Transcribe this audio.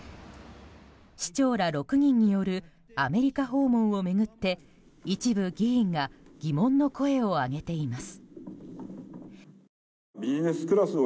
市長ら６人によるアメリカ訪問を巡って一部、議員が疑問の声を上げています。